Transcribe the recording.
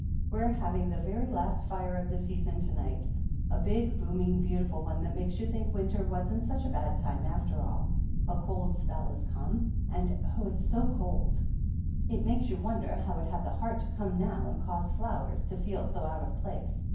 We're having the very last fire of the season to night! A big, booming, beautiful one that makes you think winter wasn't such a bad time after all! A cold spell has come, and oh, it is so cold! It makes you wonder how it had the heart to come now and cause the flowers to feel 248 THE ANNALS OF ANN so out of place.